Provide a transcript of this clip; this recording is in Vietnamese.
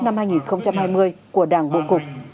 năm hai nghìn hai mươi của đảng bộ cục